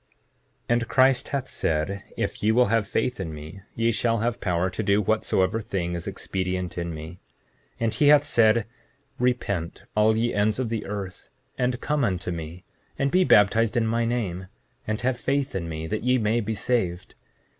7:33 And Christ hath said: If ye will have faith in me ye shall have power to do whatsoever thing is expedient in me. 7:34 And he hath said: Repent all ye ends of the earth, and come unto me, and be baptized in my name, and have faith in me, that ye may be saved.